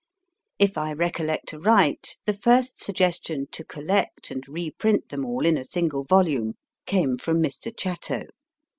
If I recollect aright, the first suggestion to collect and reprint them all in a single volume came from Mr. Chatto.